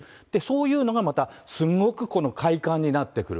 そういうのがまた、すごく快感になってくる。